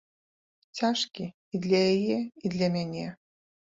Цяжкі і для яе, і для мяне.